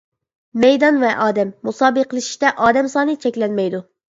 مەيدان ۋە ئادەم: مۇسابىقىلىشىشتە ئادەم سانى چەكلەنمەيدۇ.